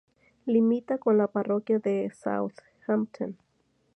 Limita con la parroquia de Southampton.